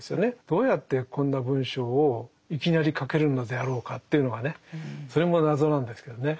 どうやってこんな文章をいきなり書けるのであろうかというのがねそれも謎なんですけどね。